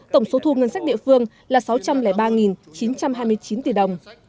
tổng số thu ngân sách địa phương là sáu trăm linh ba chín trăm hai mươi chín tỷ đồng